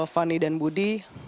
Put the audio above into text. fani dan budi